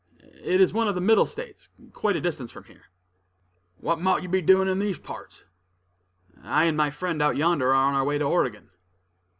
"It is one of the Middle States, quite a distance from here." "What mought you be doin' in these parts?" "I and my friend out yonder are on our way to Oregon."